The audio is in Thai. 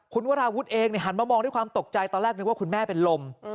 คุณวราวุฒิเองหันมามองด้วยความตกใจตอนแรกนึกว่าคุณแม่เป็นลม